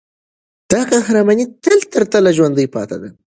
دا قهرماني تله ترتله ژوندي پاتې ده.